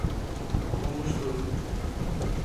— Мом ыштылыт?